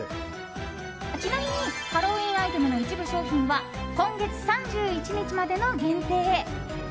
ちなみにハロウィーンアイテムの一部商品は今月３１日までの限定。